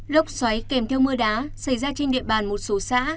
lốc xoáy kèm theo mưa đá xảy ra trên địa bàn một số xã